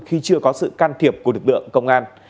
khi chưa có sự can thiệp của lực lượng công an